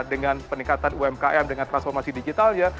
dengan peningkatan umkm dengan transformasi digitalnya